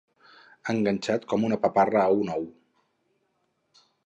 Enganxat com una paparra a un ou.